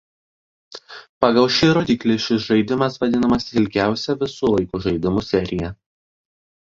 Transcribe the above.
Pagal šį rodiklį šis žaidimas vadinamas ilgiausia visų laikų žaidimų serija.